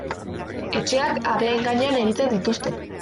Etxeak habeen gainean egiten dituzte.